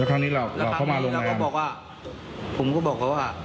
แล้วครั้งนี้เราเข้ามาโรงแรมแล้วก็บอกว่าผมก็บอกเขาว่า